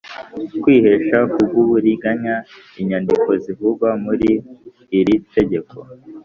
kwihesha k’ubw’uburiganya inyandiko zivugwa muri iri tegeko